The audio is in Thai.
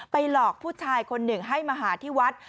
หลอกผู้ชายคนหนึ่งให้มาหาที่วัด